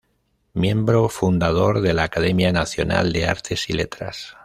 Miembro fundador de la Academia Nacional de Artes y Letras.